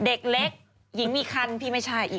เด็กเล็กหญิงมีคันพี่ไม่ใช่อีก